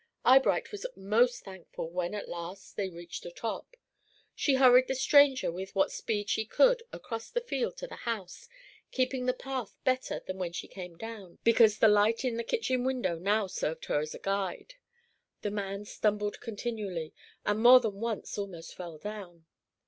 Eyebright was most thankful when at last they reached the top. She hurried the stranger with what speed she could across the field to the house, keeping the path better than when she came down, because the light in the kitchen window now served her as a guide. The man stumbled continually, and more than once almost fell down.